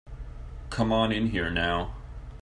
Come on in here now.